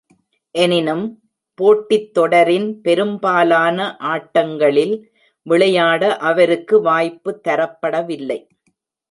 எனினும், போட்டித் தொடரின் பெரும்பாலான ஆட்டங்களில் விளையாட அவருக்கு வாய்ப்பு தரப்படவில்லை.